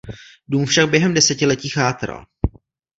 Dům však během desetiletí chátral.